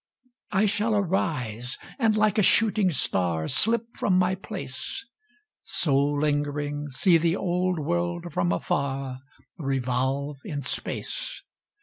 I shall arise, and like a shooting star Slip from my place; So lingering see the old world from afar Revolve in space.